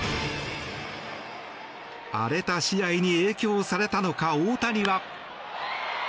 荒れた試合に影響されたのか大谷は。